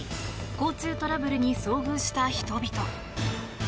交通トラブルに遭遇した人々。